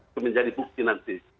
itu menjadi bukti nanti